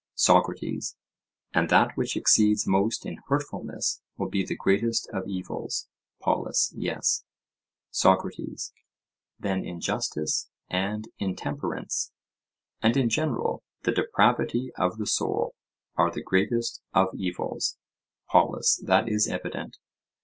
SOCRATES: And that which exceeds most in hurtfulness will be the greatest of evils? POLUS: Yes. SOCRATES: Then injustice and intemperance, and in general the depravity of the soul, are the greatest of evils? POLUS: That is evident.